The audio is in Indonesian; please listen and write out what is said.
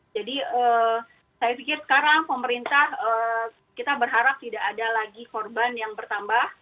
saya pikir sekarang pemerintah kita berharap tidak ada lagi korban yang bertambah